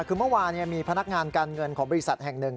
คือเมื่อวานมีพนักงานการเงินของบริษัทแห่งหนึ่ง